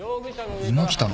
今来たの？